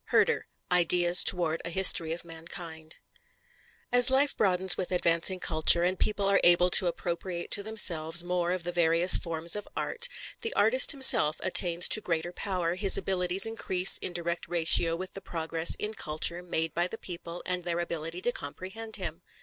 HERDER: Ideas Toward a History of Mankind. As life broadens with advancing culture, and people are able to appropriate to themselves more of the various forms of art, the artist himself attains to greater power, his abilities increase in direct ratio with the progress in culture made by the people and their ability to comprehend him.